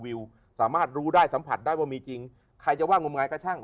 วิวสามารถรู้ได้สัมผัสได้ว่ามีจริงใครจะว่างมงายก็ช่าง